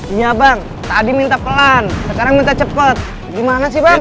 iya bang tadi minta pelan sekarang minta cepat gimana sih bang